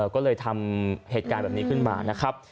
ก็เลยทำเหตุการณ์แบบนี้ขึ้นมานะครับ